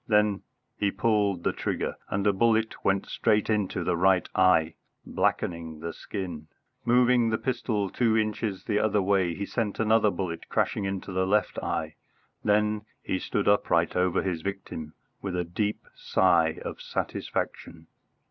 Then he pulled the trigger, and a bullet went straight into the right eye, blackening the skin. Moving the pistol two inches the other way, he sent another bullet crashing into the left eye. Then he stood upright over his victim with a deep sigh of satisfaction.